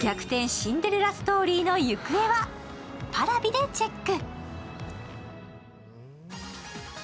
シンデレラストーリーの行方はＰａｒａｖｉでチェック。